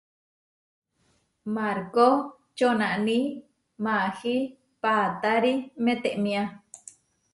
Markó čonaní maahí paatári metémia.